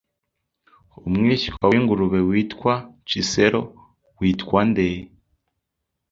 Umwishywa w'ingurube witwa Cicero witwa nde?